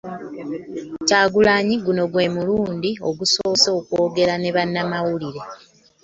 Kyagulanyi guno gwe mulundi ogusoose okwogerako ne bannamawulire